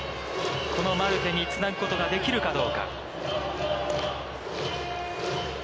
このマルテにつなぐことができるかどうか。